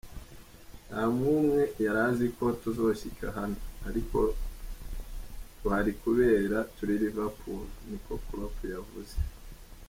"Nta numwe yarazi ko tuzoshika hano, ariko tuhari kuberako turi Liverpool," niko Klopp yavuze.